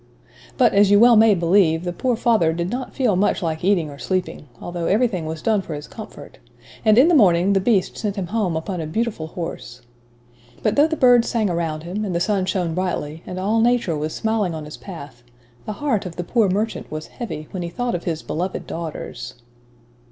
But, as you may well believe, the poor father did not feel much like eating or sleeping; although everything was done for his comfort, and, in the morning, the Beast sent him home upon a beautiful horse. But though the birds sang around him, and the sun shone brightly, and all nature was smiling on his path, the heart of the poor merchant was heavy, when he thought of his beloved daughters.